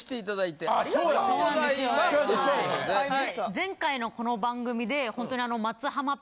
前回のこの番組でほんとに。